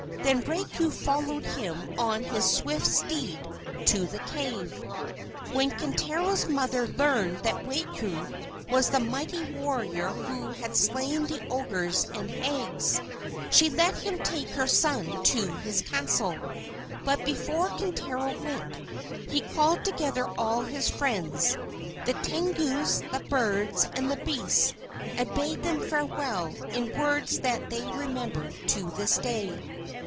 Then Raiko followed him on his swift steed to the cave. When Kintaro's mother learned that Raiko was the mighty warrior who had slain the ogres and hags, she let him take her son to his castle. But before Kintaro went, he called together all his friends, the Tengus, the birds, and the beasts, and bade them farewell, in words that they remember to this day.